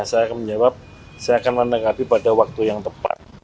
saya akan menjawab saya akan menanggapi pada waktu yang tepat